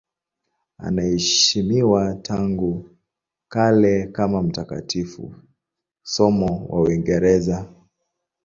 Anaheshimiwa tangu kale kama mtakatifu, somo wa Uingereza.